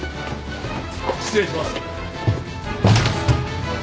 失礼します。